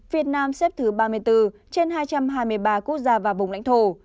việt nam xếp thứ ba mươi bốn trên hai trăm hai mươi ba quốc gia và vùng lãnh thổ